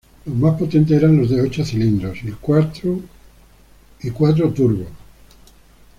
Los más potentes eran los de ocho cilindros y el cuatro turbo.